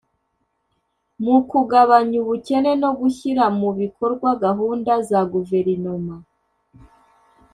mu kugabanya ubukene no gushyira mu bikorwa gahunda za guverinoma